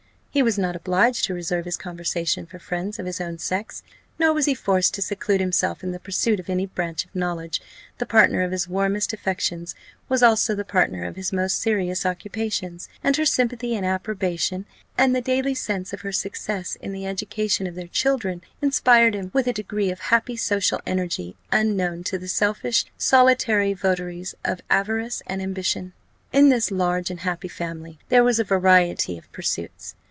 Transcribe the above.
He was not obliged to reserve his conversation for friends of his own sex, nor was he forced to seclude himself in the pursuit of any branch of knowledge; the partner of his warmest affections was also the partner of his most serious occupations; and her sympathy and approbation, and the daily sense of her success in the education of their children, inspired him with a degree of happy social energy, unknown to the selfish solitary votaries of avarice and ambition. In this large and happy family there was a variety of pursuits.